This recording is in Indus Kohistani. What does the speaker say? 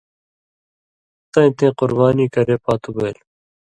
تَیں تَیں قُربانی کرے پاتُو بَیل۔